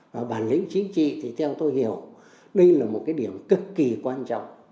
và bản lĩnh chính trị thì theo tôi hiểu đây là một cái điểm cực kỳ quan trọng